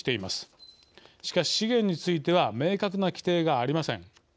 しかし資源については明確な規定がありません。